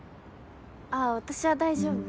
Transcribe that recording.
あぁ私は大丈夫。